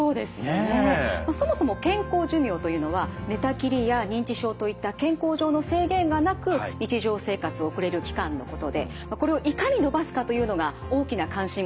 そもそも健康寿命というのは寝たきりや認知症といった健康上の制限がなく日常生活を送れる期間のことでこれをいかに延ばすかというのが大きな関心事になっています。